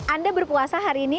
anda berpuasa hari ini